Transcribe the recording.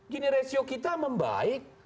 jenis ratio kita membaik